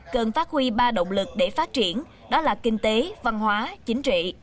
cần phát huy ba động lực để phát triển đó là kinh tế văn hóa chính trị